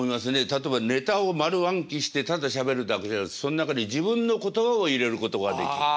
例えばネタを丸暗記してただしゃべるだけじゃなくその中で自分の言葉を入れることができる。